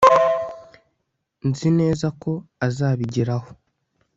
nzi neza ko azabigeraho